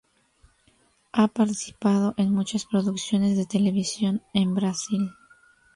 Ha participado en muchas producciones de televisión en Brasil.